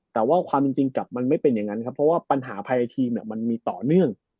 แต่ว่าความจริงกับมันไม่เป็นอย่างนั้นครับเพราะว่าปัญหาภายในทีมมันมีต่อเนื่อง